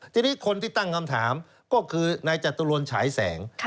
ทีนี้คนที่ตั้งคำถามก็คือนายจตุรนฉายแสง